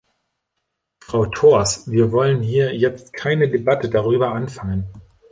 Frau Thors, wir wollen hier jetzt keine Debatte darüber anfangen.